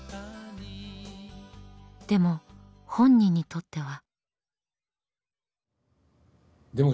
でも本人にとっては。